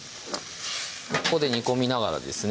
ここで煮込みながらですね